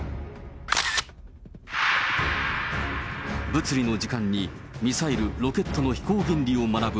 物理の時間にミサイル、ロケットの飛行原理を学ぶ